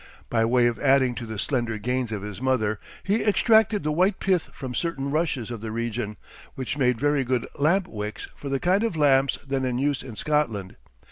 By way of adding to the slender gains of his mother, he extracted the white pith from certain rushes of the region, which made very good lamp wicks for the kind of lamps then in use in Scotland.